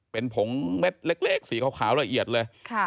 เป็นผงเม็ดเล็กสีขาวละเอียดเลย